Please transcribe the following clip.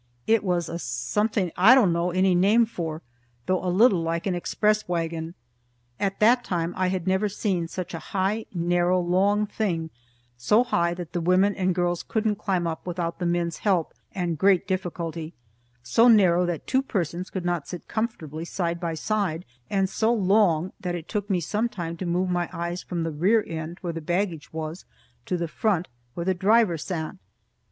It was a something I don't know any name for, though a little like an express wagon. At that time I had never seen such a high, narrow, long thing, so high that the women and girls couldn't climb up without the men's help, and great difficulty; so narrow that two persons could not sit comfortably side by side, and so long that it took me some time to move my eyes from the rear end, where the baggage was, to the front, where the driver sat.